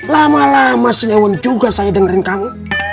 lama lama senyawan juga saya dengerin kamu